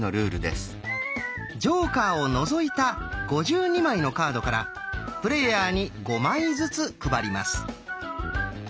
ジョーカーを除いた５２枚のカードからプレーヤーに５枚ずつ配ります。